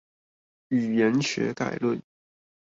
語言學概論